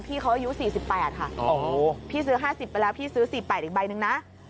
พี่เขาอายุ๔๘ค่ะพี่ซื้อ๕๐ไปแล้วพี่ซื้อ๔๘อีกใบหนึ่งนะ